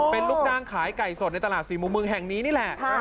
เป็นลูกจ้างขายไก่สดในตลาดสี่มุมเมืองแห่งนี้นี่แหละ